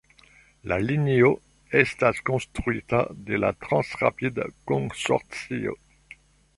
La linio estas konstruita de la Transrapid-konsorcio.